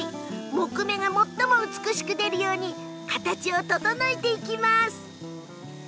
木目が最も美しく出るように形を整えていきます。